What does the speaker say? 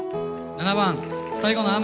７番「最後の雨」。